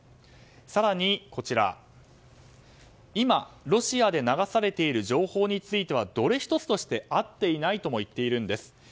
更に、今ロシアで流されている情報についてはどれ１つとして合っていないとも言っているんです。